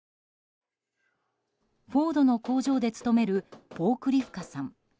フォードの工場で勤めるポークリフカさん。